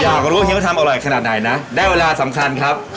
อยากรู้เฮียวทำอร่อยขนาดไหนนะได้เวลาสำคัญครับ